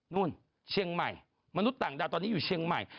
นู่นเชียงใหม่มนุษย์ต่างดาวตอนนี้อยู่เชียงใหม่